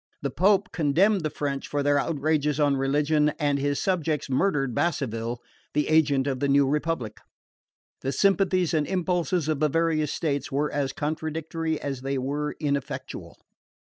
The Pope condemned the French for their outrages on religion, and his subjects murdered Basseville, the agent of the new republic. The sympathies and impulses of the various states were as contradictory as they were ineffectual.